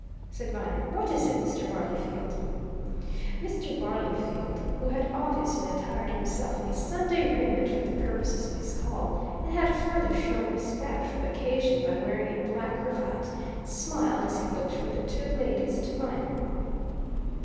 said Viner. "What is it, Mr. Barleyfield?" Mr. Barleyfield, who had obviously attired himself in his Sunday raiment for the purposes of his call, and had further shown respect for the occasion by wearing a black cravat, smiled as he looked from the two ladies to Viner.